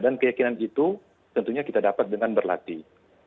dan keyakinan itu tentunya kita dapat dengan berlatih